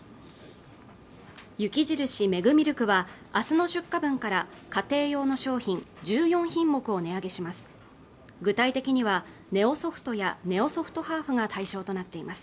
雪印メグミルクは明日の出荷分から家庭用の商品１４品目を値上げします